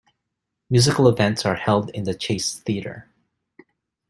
Musical events are held in the Chasse Theater.